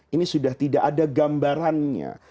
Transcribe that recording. ini sudah tidak ada gambarannya